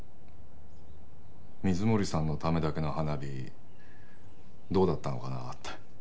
水森さんのためだけの花火どうだったのかなって。